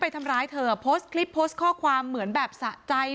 ทำร้ายเธอโพสต์คลิปโพสต์ข้อความเหมือนแบบสะใจ